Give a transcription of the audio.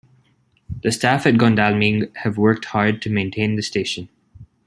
The staff at Godalming have worked hard to maintain the station.